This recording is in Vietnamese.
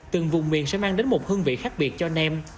từng vùng miền sẽ mang đến một hương vị khác biệt cho nem